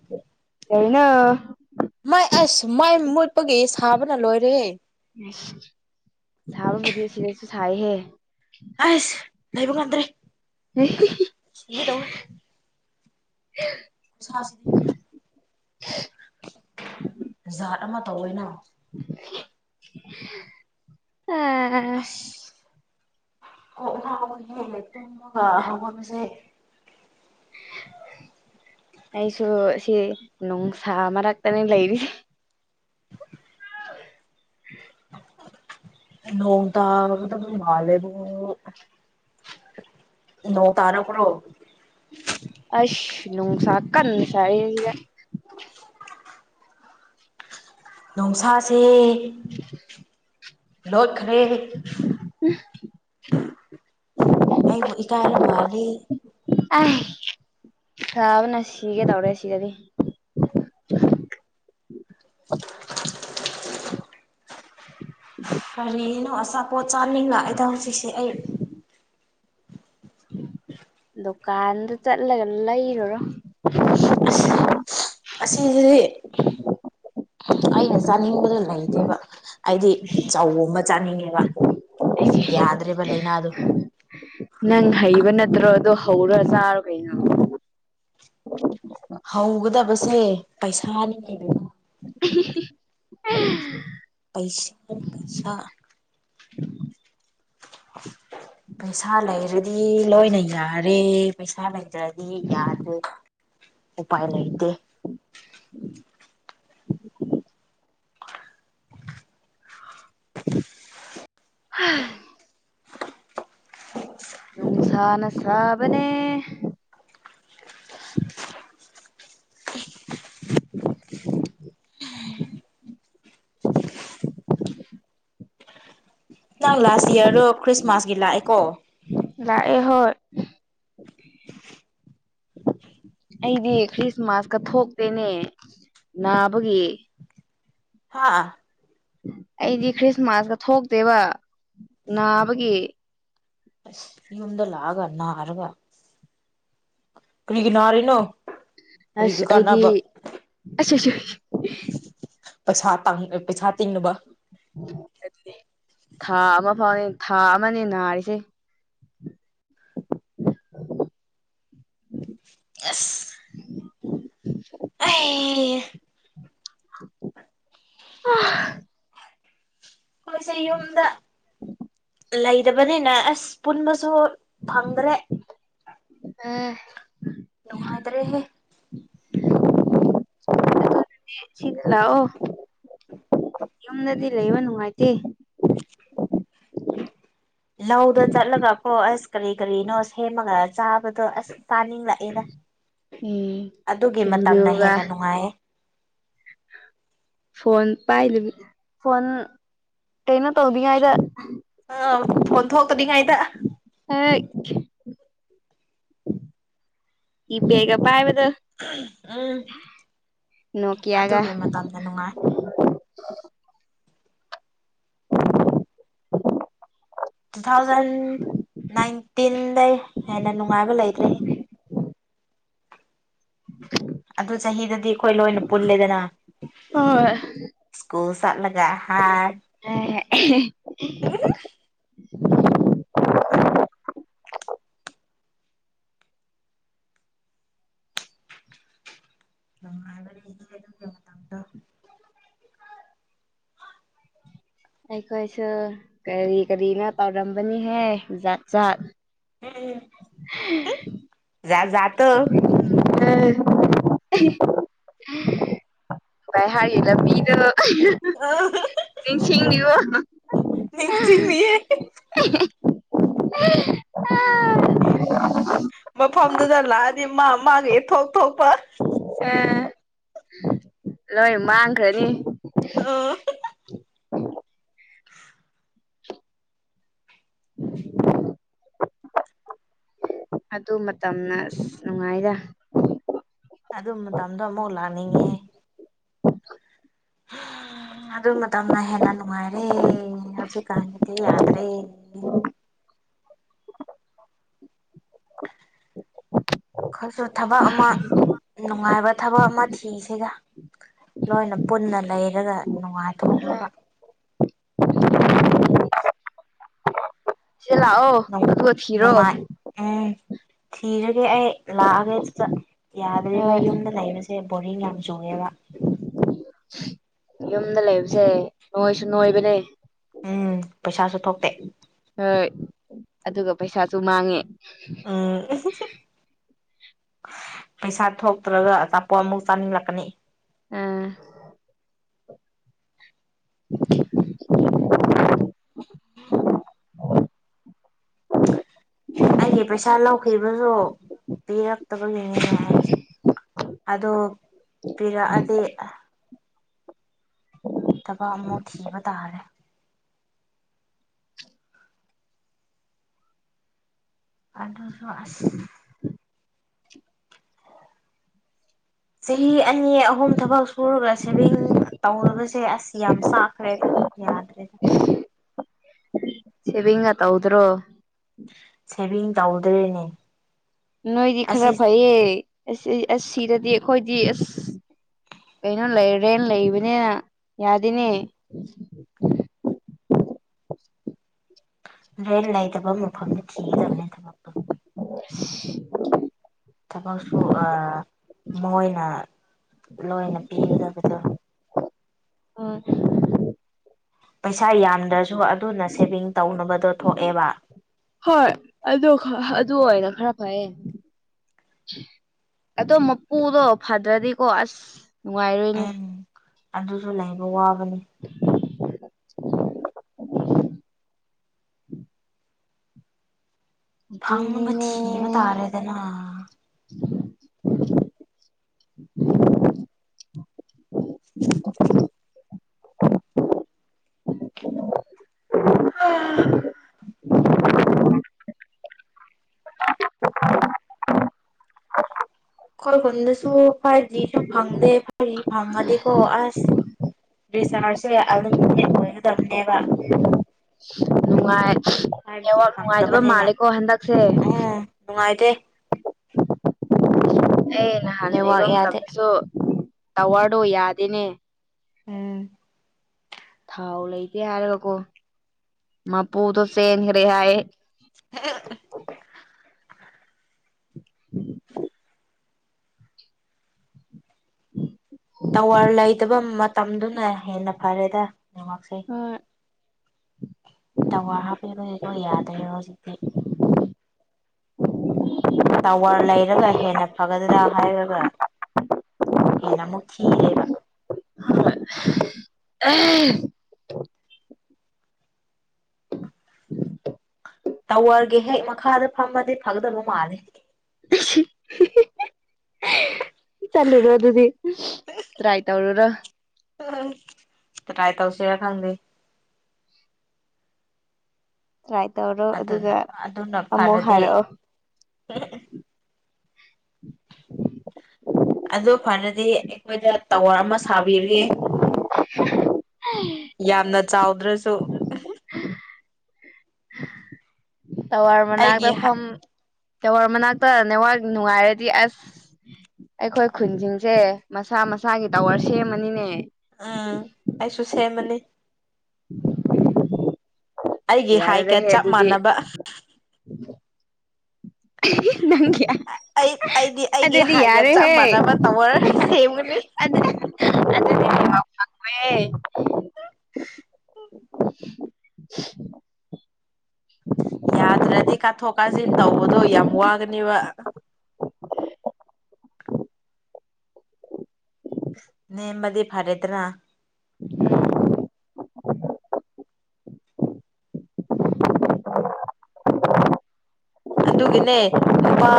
ꯀꯩꯅꫭ ꯃꫭꯏ ꯑꯁ ꯃꯩ ꯃꯨꯠꯄꯒꯤ ꯁꯥꯕꯅ ꯂꯣꯏꯔꯦꯍꯦ ꯁꯥꯕꯕꯨꯗꯤ ꯁꯤꯗꯁꯨ ꯁꯥꯏꯍꯦ ꯍꯁ ꯂꯩꯕ ꯉꯝꯗ꯭ꯔꯦ ꯁꯤꯒꯗꯧꯔꯥꯦ ꯅꯨꯡꯁꯥꯁꯦ ꯖꯥꯠ ꯑꯃ ꯇꯧꯋꯦꯅ ꯑ [inaudible] ꯑꯁ ꯀꫭꯛ ꯉꯥꯎꯋꯤꯍꯦ ꯇꯨꯝꯃꯒ ꯍꯧꯒꯠꯄꯁꯦ ꯑꯩꯁꯨ ꯁꯤ ꯅꯨꯡꯁꯥ ꯃꯔꯛꯇꯅꯦ ꯂꯩꯔꯤꯁꯦ [inaudible] ꯅꯣꯡ ꯇꯥꯒꯗꯕ ꯃꯥꯜꯂꯦꯕꯨ ꯅꯣꯡ ꯇꯥꯔꯛ ꯄ꯭ꯔꯣ ꯑꯩꯁ ꯅꯨꯡꯁꯥꯀꯟꯅ ꯁꯥꯔꯤꯉꯩꯖꯤꯗ [unintelligible] ꯅꯨꯡꯁꯥꯁꯦ ꯂꯣꯠꯈ꯭ꯔꯦ [unintelligible] ꯑꯩꯕꯨ ꯏꯀꯥꯏꯔ ꯃꯥꯜꯂꯤ ꯑꯩ ꯁꯥꯕꯅ‌ ꯁꯤꯒꯗꯧꯔꯦ ꯁꯤꯗꯗꯤ ꯀꯔꯤꯅꯣ ꯑꯆꯥꯄꯣꯠ ꯆꯥꯅꯤꯡ ꯂꯛꯑꯦ ꯇꯧꯔꯤꯁꯦ ꯑꯩ ꯗꯨꯀꯥꯟꯗ ꯆꯠꯂꯒ ꯂꯩꯔꯨꯔꯣ ꯑꯁꯤꯗꯗꯤ ꯑꯩꯅ ꯆꯥꯅꯤꯡꯕꯗꫭ ꯂꯩꯇꯦꯕ ꯑꯩꯗꯤ ꯆꯧꯒꯨꯝꯕ ꯆꯥꯅꯤꯡꯉꯦꯕ ꯑꯩꯁꯦ ꯌꯥꯗ꯭ꯔꯦꯕ ꯂꯥꯏꯅꯥꯗꯨ ꯅꯪ ꯍꯩꯕ ꯅꯠꯇ꯭ꯔꯣ ꯑꯗꯨ ꯍꯧꯔ ꯆꯥꯔꯣ ꯀꯩꯅꯣ ꯍꯧꯒꯗꯕꯁꯦ ꯄꯩꯁꯥꯅꯤꯅꯦ ꯕꯦꯝꯃ [unintelligible] ꯄꯩꯁꯥ ꯄꯩꯁꯥ ꯄꯩꯁꯥ ꯂꯩꯔꯗꯤ ꯂꯣꯏꯅ ꯌꯥꯔꯦ ꯄꯩꯁꯥ ꯂꯩꯇ꯭ꯔꯗꯤ ꯌꯥꯗ꯭ꯔꯦ ꯎꯄꯥꯏ ꯂꯩꯇꯦ ꯎꯝ [unintelligible] ꯍꯝ [inaudible] [unintelligible] ꯅꯨꯡꯁꯥꯅ ꯁꯥꯕꯅꯦ꯫ [unintelligible] [inaudible] ꯅꯪ ꯂꯥꯁ ꯌꯔꯗꯣ ꯈ꯭ꯔꯤꯁꯃꯥꯁꯀꯤ ꯂꯥꯛꯑꯦꯀꯣ? ꯂꯥꯛꯑꯦ ꯍꯣꯏ꯫ ꯑꯩꯗꯤ ꯈ꯭ꯔꯤꯁꯃꯥꯁꯀ ꯊꯣꯛꯇꯦꯅꯦ ꯅꯥꯕꯒꯤ꯫ ꯍꯥꯥ ꯑꯩꯗꯤ ꯈ꯭ꯔꯤꯁꯃꯥꯁꯀ ꯊꯣꯛꯇꯦꯕ ꯅꯥꯕꯒꯤ꯫ ꯑꯁ ꯌꯨꯝꯗ ꯂꯥꯛꯑꯒ ꯅꯥꯔꯒ꯫ ꯀꯔꯤꯒꯤ ꯅꯔꯤꯅꯣ? ꯑꯁ ꯑꯩꯗꯤ ꯑꯁ ꯑꯁ꯫ ꯄꯩꯁꯥ ꯇꯥꯡ ꯄꯩꯁꯥ ꯇꯤꯡꯅꯕ꯫ ꯊꯥ ꯑꯃ ꯐꯥꯎꯅꯤ ꯊꯥ ꯑꯃꯅꯦ ꯅꯥꯔꯤꯁꯦ꯫ ꯑꯁ [inaudible] [unintelligible] ꯑꯥ ꯑꯩꯈꯣꯏꯁꯦ ꯌꯨꯝꯗ꯫ [inaudible] ꯂꯩꯗꯕꯅꯤꯅ ꯑꯁ ꯄꯨꯟꯕꯁꯨ ꯐꯪꯗ꯭ꯔꯦ꯫ ꯑꯥ ꯅꯨꯡꯉꯥꯏꯇ꯭ꯔꯦꯍꯦ꯫ ꯑꯗꯨꯅꯅꯦ ꯑꯁꯤꯗ ꯂꯥꯛꯑꯣ꯫ [inaudible] ꯌꯨꯝꯗꯗꯤ ꯂꯩꯕ ꯅꯨꯡꯉꯥꯏꯇꯦ꯫ ꯂꯧꯗ ꯆꯠꯂꯒꯀꯣ ꯑꯁ ꯀꯔꯤ ꯀꯔꯤꯅꯣ ꯁꯦꯝꯃꯒ, ꯆꯥꯕꯗꯣ ꯑꯁ ꯆꯥꯅꯤꯡꯂꯛꯑꯦꯅ ꯎꯝ ꯑꯗꯨꯒꯤ ꯃꯇꯝꯅ ꯁꯤꯡꯖꯨꯒ ꯍꯦꯟꯅ ꯅꯨꯡꯉꯥꯏꯌꯦ꯫ ꯐꯣꯟ ꯄꯥꯏ ꯂꯩꯃꯤ ꯐꯣꯟ ꯀꯩꯅꯣ ꯇꯧꯗꯤꯉꯥꯏꯗ, ꯑꯥꯎ ꯐꯣꯟ ꯊꯣꯛꯇꯅꯤꯉꯥꯏꯗ꯫ ꯍꯦꯛ ꯀꯤꯄꯦꯠꯀ ꯄꯥꯏꯕꯗꯣ꯫ ꯎꯝ ꯅꯣꯀꯤꯌꯥꯒ ꯑꯗꯨꯒꯤ ꯃꯇꯝꯗ ꯅꯨꯡꯉꯥꯏ꯫ [inaudible] ꯇꯨ ꯊꯥꯎꯖꯟ ꯅꯥꯏꯟꯇꯤꯟꯗꯩ ꯍꯦꯟꯅ ꯅꯨꯡꯉꯥꯏꯕ ꯂꯩꯇ꯭ꯔꯦꯍꯦ꯫ [inaudible] ꯑꯗꯨ ꯆꯍꯤꯗꯗꯤ ꯑꯈꯣꯏ ꯂꯣꯏꯅ ꯄꯨꯜꯂꯦꯗꯅ꯫ ꯍꯣꯏ ꯁ꯭ꯀꯨꯜ ꯆꯠꯂꯒ ꯍꯥ꯫ [unintelligible] ꯅꯨꯡꯉꯥꯏꯕꯅꯤ ꯑꯗꯨ [unintelligible] ꯑꯩꯈꯣꯏꯁꯨ ꯀꯔꯤ ꯀꯔꯤꯅꯣ ꯇꯧꯔꯝꯕꯅꯤꯍꯦ ꯖꯥꯠ ꯖꯥꯠ꯫ [unintelligible] [inaudible] ꯖꯨꯠ ꯖꯥꯠꯇꯣ꯫ [unintelligible] [unintelligible] ꯀꯩ ꯍꯥꯏꯔꯤ ꯂꯝꯕꯤꯗꯨ [unintelligible] [unintelligible] ꯅꯤꯡꯁꯤꯡꯂꯤꯕꯣ ꯅꯤꯡꯁꯤꯡꯉꯤꯌꯦ [unintelligible] [unintelligible] ꯃꯐꯝꯗꯨꯗ ꯂꯥꯛꯑꯗꯤ ꯃꯥ ꯃꯥꯒꯤ ꯊꯣꯛ ꯊꯣꯛꯄ ꯑꯦ ꯂꯣꯏ ꯃꯥꯡꯈ꯭ꯔꯅꯤ ꯑꯣ [unintelligible] [unintelligible] [unintelligible] [unintelligible] ꯑꯗꯨ ꯃꯇꯝꯅ ꯑꯁ ꯅꯨꯡꯉꯥꯏꯗ ꯑꯗꯨ ꯃꯇꯝꯗꯣ ꯑꯃꯨꯛ ꯂꯥꯛꯅꯤꯡꯉꯦꯍꯦ [unintelligible] ꯎꯝ ꯑꯗꯨ ꯃꯇꯝꯅ ꯍꯦꯟꯅ ꯅꯨꯡꯉꯥꯏꯔꯦ ꯍꯧꯖꯤꯛꯀꯥꯟꯒꯤꯗꯤ ꯌꯥꯗ꯭ꯔꯦ [unintelligible] ꯈꯣꯏꯁꯨ ꯊꯕꯛ ꯑꯃ ꯅꯨꯡꯉꯥꯏꯕ ꯊꯕꯛ ꯑꯃ ꯊꯤꯁꯤꯗ ꯂꯣꯏꯅ ꯄꯨꯟꯅ ꯂꯩꯔꯒ ꯅꯨꯡꯉꯥꯏꯊꯣꯛꯅꯕ ꯁꯤ ꯂꯑꯣ ꯑꯗꯨꯒ ꯊꯤꯔꯣ ꯅꯨꯡꯉꯥꯏ ꯎꯝ ꯊꯤꯔꯒꯦ ꯑꯩ ꯂꯥꯛꯑꯒꯦ ꯑꯇꯨꯇ ꯌꯥꯗ꯭ꯔꯦꯕ ꯍꯣꯏ ꯌꯨꯝꯗ ꯂꯩꯕꯁ ꯁꯦ ꯕꯣꯔꯤꯡ ꯌꯥꯝ ꯆꯨꯑꯦꯕ [unintelligible] ꯌꯨꯝꯗ ꯂꯩꯕꯁꯦ ꯅꯣꯏꯁꯨ ꯅꯣꯏꯕꯅꯦ ꯎꯝ ꯄꯩꯁꯥꯁꯨ ꯊꯣꯛꯇꯦ ꯍꯣꯏ ꯑꯗꯨꯒ ꯄꯩꯁꯥꯁꯨ ꯃꯥꯡꯉꯤ ꯎꯝ [unintelligible] ꯄꯩꯁꯥ ꯊꯣꯛꯇ꯭ꯔꯒ ꯑꯆꯥꯄꯣꯠ ꯑꯃꯨꯛ ꯆꯥꯅꯤꯡꯂꯛꯀꯅꯤ ꯑꯥ [unintelligible] [unintelligible] ꯑꯩꯒꯤ ꯄꯩꯁꯥ ꯂꯧꯈꯤꯕꯁꯨ ꯄꯤꯔꯛꯇꯕꯒꯤꯅꯤꯅꯦ ꯑꯩꯁꯦ ꯑꯗꯣ ꯄꯤꯔꯛꯑꯗꯤ ꯑꯥ ꯊꯕꯛ ꯑꯃ ꯊꯤꯕ ꯇꯥꯔꯦ ꯑꯗꯨꯁꯨ ꯑꯁ ꯆꯍꯤ ꯑꯅꯤ ꯑꯍꯨꯝ ꯊꯕꯛ ꯁꯨꯔꯒ ꯁꯦꯚꯤꯡ ꯇꯧꯗꯕꯁꯦ ꯑꯁ ꯌꯥꯝ ꯆꯥꯛꯈ꯭ꯔꯦꯗ ꯌꯥꯗ꯭ꯔꯦꯗ [unintelligible] ꯁꯤꯚꯡꯒ ꯇꯧꯗ꯭ꯔꯣ ꯁꯦꯚꯤꯡ ꯇꯧꯗ꯭ꯔꯦꯅꯦ ꯅꯣꯏꯗꯤ ꯑꯁꯤ ꯈꯔ ꯐꯩꯌꯦ ꯑꯁ ꯏ ꯑꯁ ꯁꯤꯗꯗꯤ ꯑꯈꯣꯏꯗꯤ ꯑꯁ ꯀꯩꯅꯣ ꯂꯩ ꯔꯦꯟ ꯂꯩꯕꯅꯤꯅ ꯌꯥꯗꯦꯅꯦ ꯔꯦꯟ ꯂꯩꯇꯕ ꯃꯐꯝꯗ ꯊꯤꯒꯗꯕꯅꯦ ꯊꯕꯛꯇꯣ [unintelligible] ꯊꯕꯛꯁꯨ ꯑ ꯃꯣꯏꯅ ꯂꯣꯏꯅ ꯄꯤꯒꯗꯕꯗꯣ ꯎꯝ [unintelligible] ꯄꯩꯁꯥ ꯌꯥꯝꯗ꯭ꯔꯁꯨ ꯑꯗꯨꯅ ꯁꯦꯚꯤꯡ ꯇꯧꯅꯕꯗꯣ ꯊꯣꯛꯑꯦꯕ ꯍꯣꯏ ꯑꯗꯨ ꯈ ꯍ ꯑꯗꯨ ꯑꯣꯏꯅ ꯈꯔ ꯐꯩꯌꯦ ꯑꯗꯣ ꯃꯄꯨꯗꯣ ꯐꯗ꯭ꯔꯗꯤꯀꯣ ꯑꯁ ꯅꯨꯡꯉꯥꯏꯔꯣꯏꯅꯦ ꯎꯝ ꯑꯗꯨꯁꯨ ꯂꯩꯕ ꯋꯥꯕꯅꯤ [unintelligible] ꯐꯪꯅꯕ ꯑꯗꯨꯨꯅꯤꯅꯦ ꯊꯤꯕ ꯇꯥꯔꯦꯗꯅ [unintelligible] ꯑꯥ꯫ [unintelligible] ꯈꯣꯏ ꯈꯨꯟꯗꯁꯨ ꯐꯥꯚꯖꯤꯁꯨ ꯐꯪꯗꯦ ꯐ꯭ꯔꯤ ꯐꯪꯉꯗꯤꯀꯣ ꯑꯁ꯫ ꯔꯤꯆꯥꯔꯁꯦ ꯎꯞꯂꯤꯃꯤꯇꯦꯗ ꯑꯣꯏꯒꯗꯕꯅꯦꯕ꯫ ꯅꯨꯡꯉꯥꯏ ꯐꯥꯏꯚ ꯖꯤ ꯅꯦꯋꯛ ꯅꯨꯡꯉꯥꯏꯗꯕ ꯐꯪꯗꯕꯅꯤꯅ ꯃꯥꯜꯂꯦꯀꯣ ꯍꯟꯗꯛꯁꯦ꯫ ꯎꯝ ꯅꯨꯡꯉꯥꯏꯇꯦ꯫ ꯑꯦ ꯅꯍꯥꯟ ꯂꯩꯕ ꯅꯦꯠꯋꯥꯛ ꯌꯥꯗꯦ ꯃꯇꯝꯗꯁꯨ ꯇꯋꯥꯔꯗꯣ ꯌꯥꯗꯦꯅꯦ꯫ ꯎꯝ ꯊꯥꯎ ꯂꯩꯇꯦ ꯍꯥꯏꯔꯒꯀꯣ ꯃꯄꯨꯗꯣ ꯆꯦꯟꯈ꯭ꯔꯦ ꯍꯥꯏꯑꯦ꯫ [unintelligible] [unintelligible] [unintelligible] ꯇꯋꯥꯔ ꯂꯩꯇꯕ ꯃꯇꯝꯗꯨꯅ ꯍꯦꯟꯅ ꯐꯔꯦꯗ ꯅꯦꯋꯥꯛꯁꯦ꯫ ꯍꫭꯏ꯫ ꯇꯋꯥꯔ ꯍꯥꯞꯄꯤꯕꯒꯤꯀꯣ ꯌꯥꯗ꯭ꯔꯦ ꯍꯧꯖꯤꯛꯇꯤ꯫ [unintelligible] ꯇꯋꯥꯔ ꯂꯩꯔꯒ ꯍꯦꯟꯅ ꯐꯒꯗ꯭ꯔꯥ ꯍꯥꯏꯔꯒ꯫ ꯍꯦꯟꯅ ꯑꯃꯨꯛꯊꯤꯔꯦꯕ꯫ ꯍꫭꯏ [unintelligible] ꯇꯥꯋꯔꯒꯤ ꯍꯦꯛ ꯃꯈꯥꯗ ꯐꯝꯃꯗꯤ ꯐꯒꯗꯕ ꯃꯥꯜꯂꯦ꯫ [unintelligible] [unintelligible] ꯆꯠꯂꯨꯔꯣ ꯑꯗꯨꯗꯤ ꯇ꯭ꯔꯥꯏ ꯇꯧꯔꯨꯔꯣ꯫ [unintelligible] ꯇ꯭ꯔꯥꯏ ꯇꯧꯁꯤꯔ ꯈꯪꯗꯦ꯫ ꯇ꯭ꯔꯥꯏ ꯇꯧꯔꯣ꯫ ꯑꯗꯨꯅ ꯑꯗꯨꯒ ꯑꯗꯨꯅ ꯑꯃꯨꯛ ꯐꯔꯗꯤ ꯍꯥꯏꯔꯛꯑꯣ [unintelligible] ꯑꯗꯨ ꯐꯔꯗꯤ ꯈꯣꯏꯗ ꯇꯋꯥꯔ ꯑꯃ ꯁꯥꯕꯤꯔꯤ꯫ ꯌꯥꯝꯅ ꯆꯥꯎꯗ꯭ꯔꯁꯨ꯫ ꯇꯥꯋꯔ ꯃꯅꯥꯛꯇ ꯑꯩꯒꯤ ꯐꯝ ꯇꯋꯥꯔ ꯃꯅꯥꯛꯇ ꯅꯦꯋꯥꯛ ꯅꯨꯡꯉꯥꯏꯔꯗꯤ ꯑꯁ꯫ ꯑꯩꯈꯣꯏ ꯈꯨꯟꯁꯤꯡꯁꯦ ꯃꯁꯥ ꯃꯁꯥꯒꯤ ꯇꯥꯋꯔ ꯁꯦꯝꯃꯅꯤꯅꯦ꯫ ꯑꯩꯁꯨ ꯁꯦꯝꯃꯅꯤ꯫ [unintelligible] ꯑꯩꯒꯤ ꯍꯥꯏꯒ ꯌꯥꯔꯔꫭꯏꯍꯦ ꯆꯞ ꯑꯗꯨꯗꯤ꯫ ꯃꯥꯟꯅꯕ [unintelligible] ꯅꯪꯒꯤ ꯑ ꯑꯩ ꯑꯩꯗꯤ ꯑꯩꯒꯤ ꯑꯗꯨꯗꯤ ꯍꯥꯏꯒ ꯆꯞ ꯌꯥꯔꯣꯏꯍꯦ ꯃꯥꯟꯅꯕ ꯇꯥꯋꯔ ꯁꯦꯝꯒꯅꯤ꯫ ꯑꯗ ꯑꯗꯨꯗꯤ [inaudible] [unintelligible] ꯌꯥꯗ꯭ꯔꯗꯤ ꯀꯥꯊꯣꯛ ꯀꯥꯖꯤꯟ ꯇꯧꯕꯗꯣ ꯌꯥꯝ ꯋꯥꯒꯅꯤꯕ꯫ ꯅꯦꯝꯃꯗꯤ ꯐꯥꯔꯦꯗꯅꯥ꯫ [unintelligible] ꯑꯗꯨꯒꯤꯅꯦ ꯅꯨꯄꯥ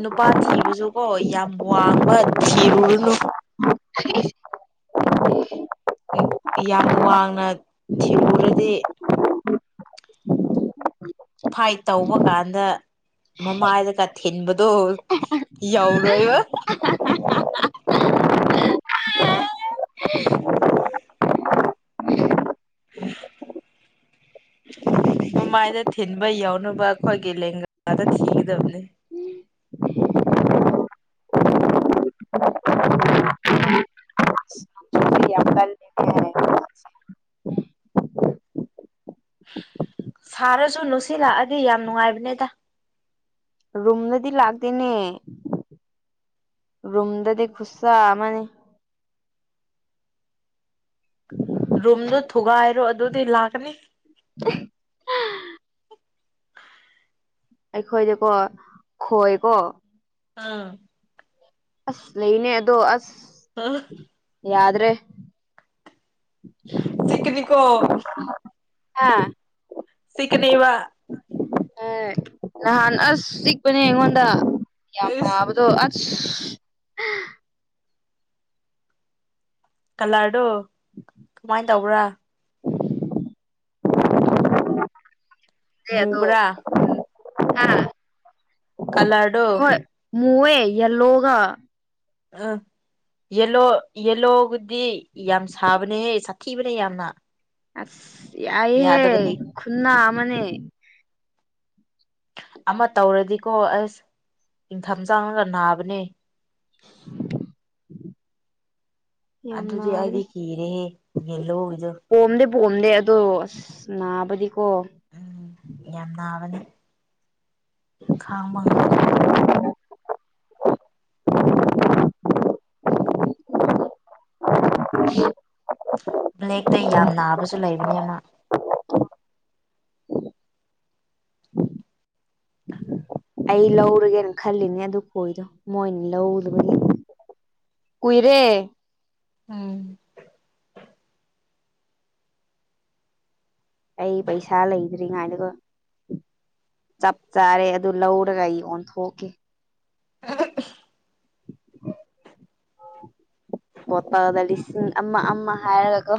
ꯅꯨꯄꯥ ꯊꯤꯕꯁꯨ ꯀꯣ ꯌꯥꯝ ꯋꯥꯡꯕ ꯊꯤꯔꯨꯔꯨꯅꯨ꯫ ꯏ ꯌꯥꯝ ꯋꯥꯡꯅ ꯊꯤꯔꯨꯔꯗꯤ ꯐꯥꯏꯠ ꯇꯧꯕ ꯀꯥꯟꯗ ꯃꯃꯥꯏꯗꯒ ꯊꯤꯟꯕꯗꯣ꯫ ꯌꯧꯔꯣꯏꯕ [unintelligible] ꯎꯝ [inaudible] ꯃꯃꯥꯏꯗ ꯊꯤꯟꯕ ꯌꯥꯎꯅꯕ ꯑꯩꯈꯣꯏꯒꯤ ꯂꯦꯡꯒꯥꯗ ꯊꯤꯒꯗꯕꯅꯤ ꯑꯗꯨꯁꯨ ꯌꯥꯝ ꯒꯥꯟ [unintelligible] ꯁꯥꯔꯁꯨ ꯅꯨꯡꯁꯤꯠ ꯂꯥꯛꯑꯗꯤ ꯌꯥꯝ ꯅꯨꯡꯉꯥꯏꯕꯅꯤꯗ ꯔꯨꯝꯗꯗꯤ ꯂꯥꯛꯗꯅꯦ ꯔꯨꯝꯗꯗꯤ ꯈꯨꯨꯠꯁꯥ ꯑꯃꯅꯤ ꯔꯨꯝꯗꯣ ꯊꯨꯒꯥꯏꯔꯣ ꯑꯗꯨꯗꯤ ꯂꯥꯛꯀꯅꯤ ꯑꯦ ꯑꯩꯈꯣꯏꯗꯤꯀꯣ ꯈꯣꯏꯀꯣ ꯑꯝ ꯑꯁ ꯂꯩꯅꯦ ꯑꯗꯣ ꯑꯁ ꯑꯝ ꯌꯥꯗ꯭ꯔꯦ ꯆꯤꯛꯒꯅꯤꯀꯣ ꯍꯥꯥ ꯆꯤꯛꯒꯅꯤꯕ ꯍꯣꯢ ꯅꯍꯥꯟ ꯑꯁ ꯆꯤꯛꯄꯅꯦ ꯑꯩꯉꯣꯟꯗ ꯌꯥꯝ ꯑꯩꯁ ꯅꯕꯥꯅꯦ ꯑꯗꯣ ꯑꯁ ꯀꯂꯔꯗꯨ ꯀꯃꯥꯏꯅ ꯇꯧꯕ꯭ꯔꯥ ꯑ [unintelligible] ꯃꯨꯕ꯭ꯔꯥ ꯑꯗꯣ ꯍꯥ ꯀꯂꯔ ꯗꯣ ꯍꯣꯏ ꯃꯨꯋꯦ ꯌꯦꯂꯣꯒ ꯑꯥ ꯌꯦꯂꯣ ꯌꯦꯜꯂꯣꯕꯨꯗꯤ ꯌꯥꯝ ꯁꯥꯕꯅꯦꯍꯦ ꯁꯥꯊꯤꯕꯅꯤ ꯌꯥꯝꯅ ꯑꯁ ꯌꯥꯏꯍꯦ ꯌꯥꯗꯕꯅꯦ ꯈꯨꯨꯟꯅꯥ ꯑꯃꯅꯦ ꯑꯃ ꯇꯧꯔꯗꯤꯀꯣ ꯑꯁ ꯏꯪꯊꯝ ꯆꯥꯡꯉꯒ ꯅꯥꯕꯅꯦ [inaudible] ꯌꯥꯝ ꯑꯗꯨꯗꯤ ꯅꯥꯕꯅꯦ ꯑꯩꯗꯤ ꯀꯤꯔꯦꯍꯦ ꯌꯦꯂꯣꯒꯤꯗꯣ ꯄꯣꯝꯗꯤ ꯄꯣꯝꯗꯦ ꯑꯗꯣ ꯑꯁ ꯅꯥꯕꯗꯤꯀꯣ ꯎꯝ ꯌꯥꯝ ꯅꯥꯕꯅꯤ ꯈꯥꯡꯕ ꯉꯝꯗꯕꯅꯤ [inaudible] [inaudible] ꯕ꯭ꯂꯦꯛꯇ ꯌꯥꯝ ꯅꯥꯕꯁꯨ ꯂꯩꯕꯅꯦ ꯑꯃ ꯑꯩ ꯂꯧꯔꯒꯦꯅ ꯈꯜꯂꯤꯅꯦ ꯑꯗꯨ ꯀꯣꯏꯗꯣ ꯃꯣꯏꯅ ꯂꯧꯗꯕꯒꯤ ꯀꯨꯏꯔꯦ ꯎꯝ ꯑꯩ ꯄꯩꯁꯥ ꯂꯩꯗ꯭ꯔꯤꯉꯥꯏꯗꯒꯣ ꯆꯞ ꯆꯥꯔꯦ ꯑꯗꯨ ꯂꯧꯔꯒ ꯑꯩ ꯌꯣꯟꯊꯣꯛꯀꯦ [unintelligible] ꯄꯣꯠꯇꯜꯗ ꯂꯤꯁꯤꯡ ꯑꯃ ꯑꯃ ꯍꯥꯏꯔꯒꯒꯣ